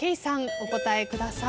お答えください。